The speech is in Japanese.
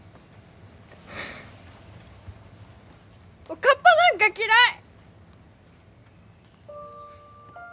おかっぱなんかきらい！